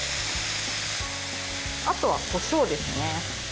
あとは、こしょうですね。